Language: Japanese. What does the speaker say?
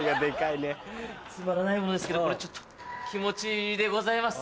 つまらないものですけどこれ気持ちでございます。